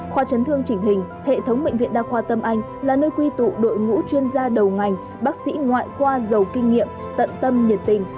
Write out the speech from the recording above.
khoa chấn thương chỉnh hình hệ thống bệnh viện đa khoa tâm anh là nơi quy tụ đội ngũ chuyên gia đầu ngành bác sĩ ngoại khoa giàu kinh nghiệm tận tâm nhiệt tình